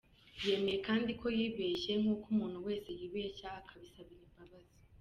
Yemeye kandi ko yibeshye nk’uko umuntu wese yibeshya akabisabira imbabazi.